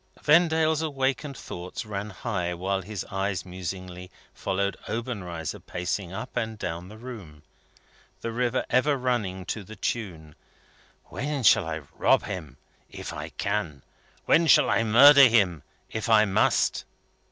Vendale's awakened thoughts ran high while his eyes musingly followed Obenreizer pacing up and down the room, the river ever running to the tune: "Where shall I rob him, if I can? Where shall I murder him, if I must?"